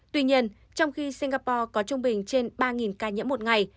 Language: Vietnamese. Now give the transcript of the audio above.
tuy nhiên trong khi singapore có trung bình trên ba ca nhiễm một ngày